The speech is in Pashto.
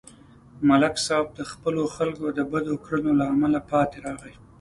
ملک صاحب د خپلو خلکو د بدو کړنو له امله پاتې راغی